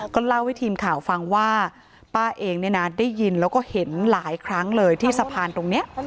ก็เล่าให้ทีมข่าวฟังว่าป้าเองเนี่ยนะได้ยินแล้วก็เห็นหลายครั้งเลยที่สะพานตรงนี้